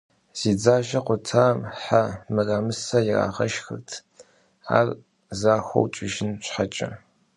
Зи дзажэ къутам хьэ мырамысэ ирагъэшхырт, ар захуэу кӀыжын щхьэкӀэ.